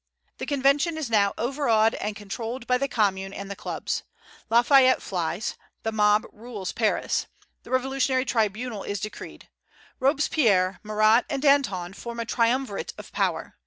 The Convention is now overawed and controlled by the Commune and the clubs. Lafayette flies. The mob rules Paris. The revolutionary tribunal is decreed. Robespierre, Marat, and Danton form a triumvirate of power.